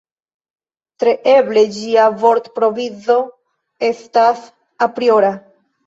Tre eble ĝia vortprovizo estas apriora.